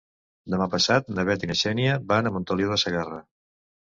Demà passat na Bet i na Xènia van a Montoliu de Segarra.